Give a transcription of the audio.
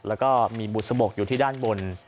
แล้วก็มีบุษบกอยู่ที่ด้านบน